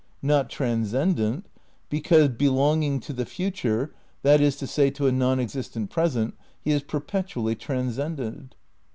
Not transcendent, because, belonging to the future, that is to say, to a non existent present, he is perpetually transcended.